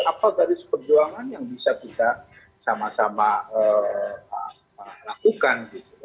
apa garis perjuangan yang bisa kita sama sama lakukan